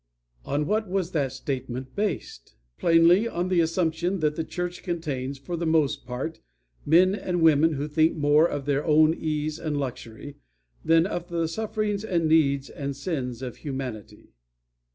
On what was that statement based? Plainly on the assumption that the church contains for the most part men and women who think more 'of their own ease and luxury' than of the sufferings and needs and sins of humanity.